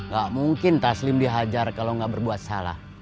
gak mungkin taslim dihajar kalau nggak berbuat salah